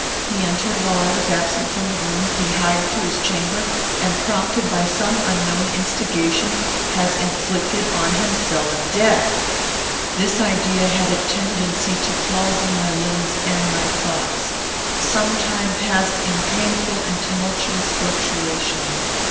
He entered while I was absent from the room; he hied to his chamber; and, prompted by some unknown instigation, has inflicted on himself death!" This idea had a tendency to palsy my limbs and my thoughts. Some time passed in painful and tumultuous fluctuation.